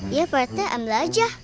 iya pak rt ambil aja